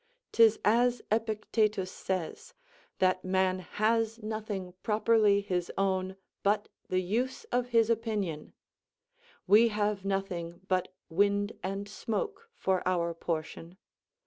'Tis as Epictetus says, that man has nothing properly his own, but the use of his opinion; we have nothing but wind and smoke for our portion.